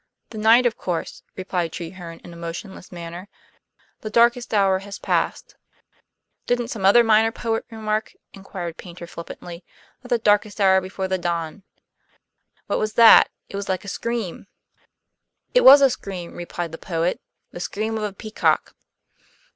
"The night, of course," replied Treherne in a motionless manner. "The darkest hour has passed." "Didn't some other minor poet remark," inquired Paynter flippantly, "that the darkest hour before the dawn ? My God, what was that? It was like a scream." "It was a scream," replied the poet. "The scream of a peacock."